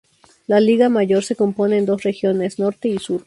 La liga mayor se compone en dos regiones, norte y sur.